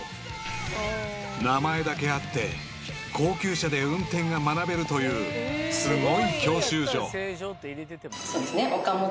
［名前だけあって高級車で運転が学べるというすごい教習所］